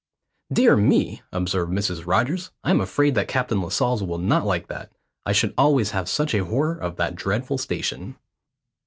"Dear me!" observed Mrs Rogers, "I am afraid that Captain Lascelles will not like that; I should always have such a horror of that dreadful station."